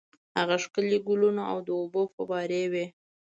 هلته ښکلي ګلونه او د اوبو فوارې وې.